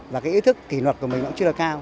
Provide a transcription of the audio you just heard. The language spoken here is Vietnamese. và cái ý thức kỷ luật của mình nó chưa được cao